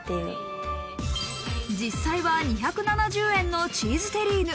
実際は２７０円のチーズテリーヌ。